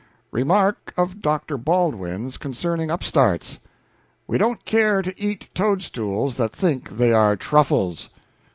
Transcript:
Remark of Dr. Baldwin's, concerning upstarts: We don't care to eat toadstools that think they are truffles.